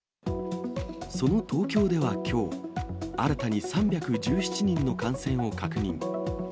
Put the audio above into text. その東京ではきょう、新たに３１７人の感染を確認。